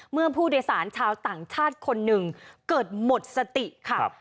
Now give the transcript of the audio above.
เมื่อผู้โดยสารชาวต่างชาติคนหนึ่งเกิดหมดสติค่ะ